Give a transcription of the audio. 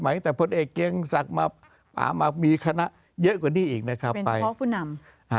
ตั้งแต่พลเอกยังสักมามามีคณะเยอะกว่านี้อีกนะครับเป็นเพราะผู้นำ